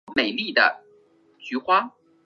羽状刚毛藨草为莎草科藨草属下的一个种。